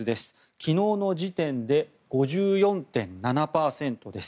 昨日の時点で５４．７％です。